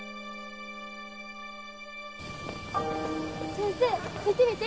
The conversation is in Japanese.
先生見て見て！